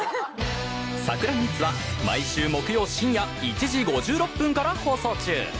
『サクラミーツ』は毎週木曜深夜１時５６分から放送中。